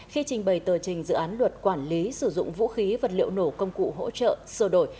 khi trình bày tờ trình dự án luật quản lý sử dụng vũ khí vật liệu nổ công cụ hỗ trợ sơ đổi